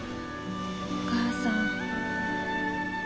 お母さん。